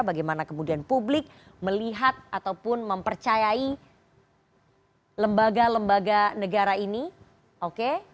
bagaimana kemudian publik melihat ataupun mempercayai lembaga lembaga negara ini oke